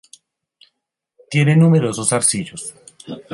Tiene numerosos zarcillos.